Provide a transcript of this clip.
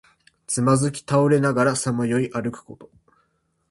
つまずき倒れながらさまよい歩くこと。